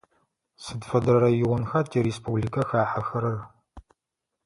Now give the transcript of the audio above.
Сыд фэдэ районха тиреспубликэ хахьэхэрэр?